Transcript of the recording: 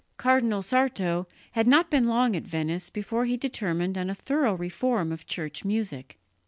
Cardinal Sarto had not been long at Venice before he determined on a thorough reform of church music.